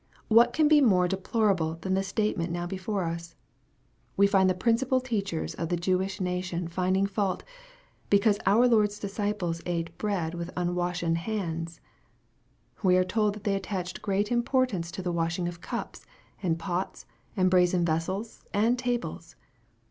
What can be more de plorable than the statement now before us ? We find the principal teachers of the Jewish nation finding fault, " because our Lord's disciples ate bread with unwashen hands !" We are told that they attached great import ance to the washing of cups, and pots, and brazen ves sels, and tables